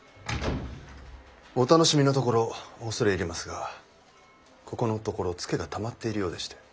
お楽しみのところ恐れ入りますがここのところツケがたまっているようでして。